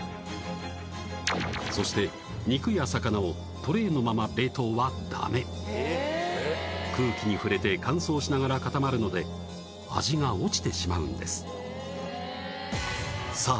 そして肉や魚をトレーのまま冷凍はダメ空気に触れて乾燥しながら固まるので味が落ちてしまうんですさあ